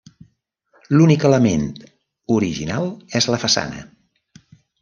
L'únic element original és la façana.